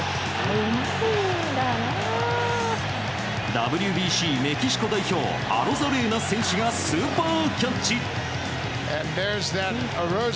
ＷＢＣメキシコ代表アロザレーナ選手がスーパーキャッチ！